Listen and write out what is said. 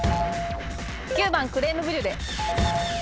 ９番クレームブリュレ。